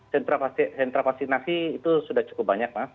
sentra vaksinasi itu sudah cukup banyak mas